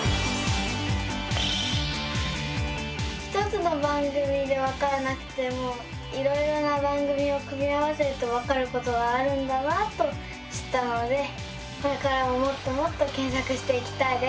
１つの番組でわからなくてもいろいろな番組を組み合わせるとわかることがあるんだなと知ったのでこれからももっともっと検索していきたいです。